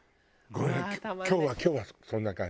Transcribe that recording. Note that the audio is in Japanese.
今日は今日はそんな感じ。